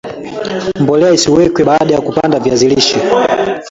mbolea isiwekwe baada ya kupanda viazi lishe